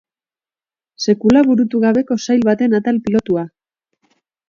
Sekula burutu gabeko sail baten atal pilotua.